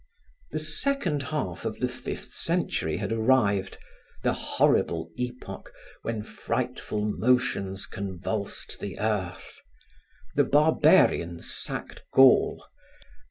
The second half of the fifth century had arrived, the horrible epoch when frightful motions convulsed the earth. The Barbarians sacked Gaul.